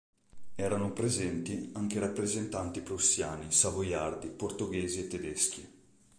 Erano presenti anche rappresentanti prussiani, savoiardi, portoghesi e tedeschi.